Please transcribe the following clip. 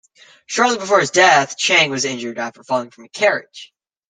Shortly before his death, Chang was injured after falling from a carriage.